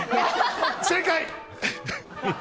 正解！